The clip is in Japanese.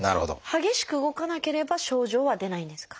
激しく動かなければ症状は出ないんですか？